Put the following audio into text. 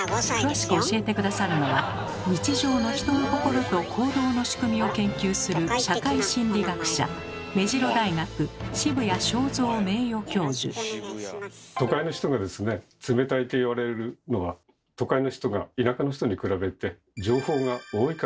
詳しく教えて下さるのは日常の人の心と行動の仕組みを研究する社会心理学者都会の人がですね冷たいといわれるのは都会の人が田舎の人に比べて情報が多いからなんですね。